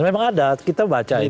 memang ada kita baca itu